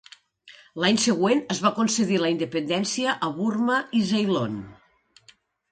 L'any següent es va concedir la independència a Burma i Ceylon.